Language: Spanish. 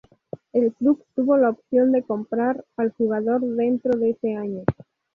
El club tuvo la opción de comprar al jugador dentro de ese año.